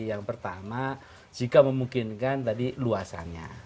yang pertama jika memungkinkan tadi luasannya